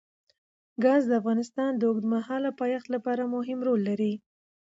ګاز د افغانستان د اوږدمهاله پایښت لپاره مهم رول لري.